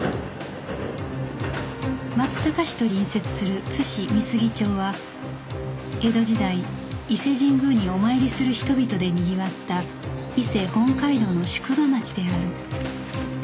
松阪市と隣接する津市美杉町は江戸時代伊勢神宮にお参りする人々でにぎわった伊勢本街道の宿場町である